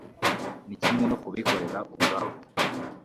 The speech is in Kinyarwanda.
ni kimwe no ku bikorera ubwabo